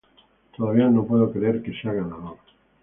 Todavía no puedo creer que sea ganador".